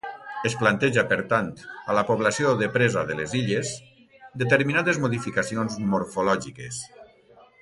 Es planteja, per tant, a la població de presa de les Illes, determinades modificacions morfològiques.